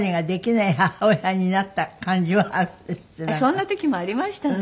そんな時もありましたね。